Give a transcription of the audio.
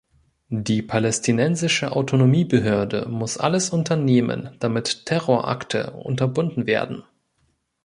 Die Palästinensische Autonomiebehörde muss alles unternehmen, damit Terrorakte unterbunden werden.